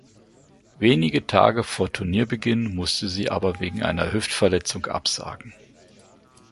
Wenige Tage vor Turnierbeginn musste sie aber wegen einer Hüftverletzung absagen.